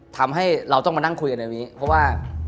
ทำให้เราต้องมานั่งคุยกันในนี้เพราะว่า